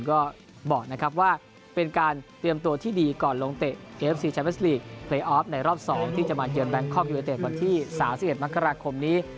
ก็บอกนะครับว่าเป็นการเตรียมตัวที่ดีก่อนลงเตะเอฟซีแชมป์ลีกในรอบ๒ที่จะมาเยือนแบงคกอยู่ในเตะที่สาว๑๑มันกราคมนี้